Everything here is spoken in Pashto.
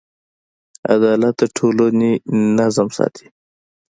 عدالت د ټولنې نظم ساتي.